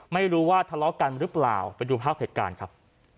ไม่รู้ว่าทะเลาะกันหรือเปล่าไปดูภาพเหตุการณ์ครับ